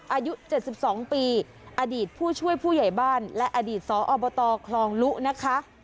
อายุ๗๒ปีอดีตผู้ช่วยผู้ใหญ่บ้านและอดีตสอบตคลองลุนะคะ